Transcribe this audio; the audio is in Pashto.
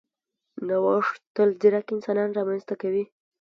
نوښت تل ځیرک انسانان رامنځته کوي.